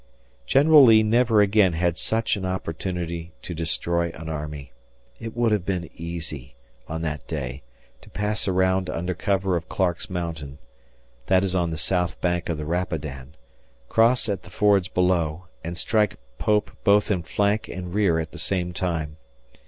General Lee never again had such an opportunity to destroy an army. It would have been easy, on that day, to pass around under cover of Clarke's Mountain that is on the south bank of the Rapidan cross at the fords below, and strike Pope both in flank and rear at the same time.